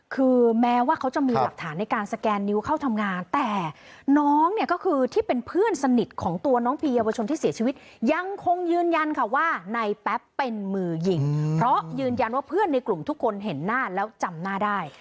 คือแม้ว่าเขาจะมีหลักฐานในการสแกนนิ้วเข้าทำงานแต่น้องเนี่ยก็คือที่เป็นเพื่อนสนิทของตัวน้องพีเยาวชนที่เสียชีวิตยังคงยืนยันค่ะว่าในแป๊บเป็นมือยิงเพราะยืนยันว่าเพื่อนในกลุ่มทุกคนเห็นหน้าแล้วจำหน้าได้